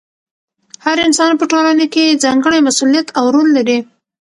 هر انسان په ټولنه کې ځانګړی مسؤلیت او رول لري.